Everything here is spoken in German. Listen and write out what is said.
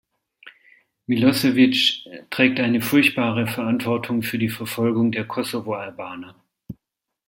Milosevic trägt eine furchtbare Verantwortung für die Verfolgung der Kosovo-Albaner.